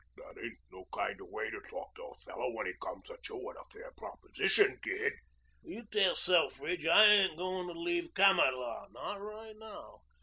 "That ain't no kind o' way to talk to a fellow when he comes at you with a fair proposition, Gid." "You tell Selfridge I ain't going to leave Kamatlah not right now.